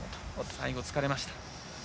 最後、疲れました。